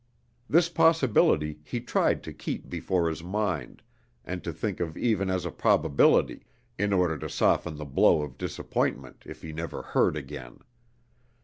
This possibility he tried to keep before his mind, and to think of even as a probability, in order to soften the blow of disappointment if he never heard again.